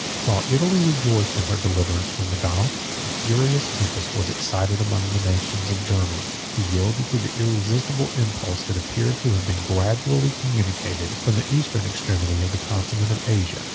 While Italy rejoiced in her deliverance from the Goths, a furious tempest was excited among the nations of Germany, who yielded to the irresistible impulse that appears to have been gradually communicated from the eastern extremity of the continent of Asia.